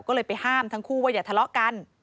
ก็เลยไปห้ามทั้งคู่ว่าอย่าทะเลาะกัน